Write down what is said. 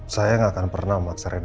saya gak akan pernah memaksa rina